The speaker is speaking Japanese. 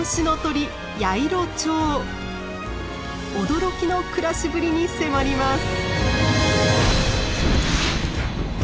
驚きの暮らしぶりに迫ります。